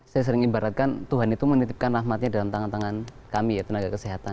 saya sering ibaratkan tuhan itu menitipkan rahmatnya dalam tangan tangan kami ya tenaga kesehatan